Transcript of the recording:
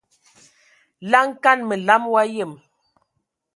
Laŋa kan məlam wa yəm.